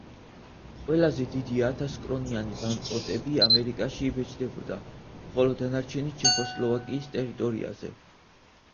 ყველაზე დიდი ათას კრონიანი ბანკნოტები ამერიკაში იბეჭდებოდა, ხოლო დანარჩენი ჩეხოსლოვაკიის ტერიტორიაზე.